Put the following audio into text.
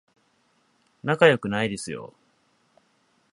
仲良くないですよ